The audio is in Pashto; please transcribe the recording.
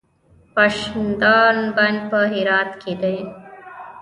د پاشدان بند په هرات کې دی